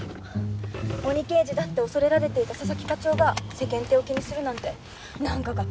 鬼刑事だって恐れられていた佐々木課長が世間体を気にするなんてなんかがっかりです。